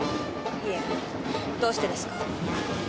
いいえどうしてですか？